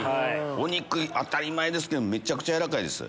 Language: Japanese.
お肉当たり前ですけどめちゃくちゃ軟らかいです。